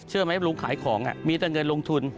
เชื่อไหมลุงขายของมีแต่เงินลงทุน